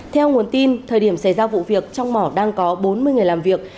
theo nguồn tin thời điểm xảy ra vụ việc trong mỏ đang có bốn mươi người làm việc